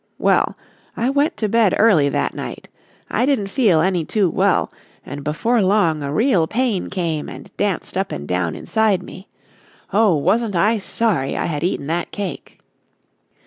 "Well, I went to bed early that night. I didn't feel any too well, and before long a real pain came and danced up and down inside me. Oh, wasn't I sorry I had eaten that cake.